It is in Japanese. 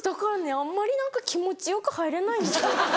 あんまり何か気持ちよく入れないんです。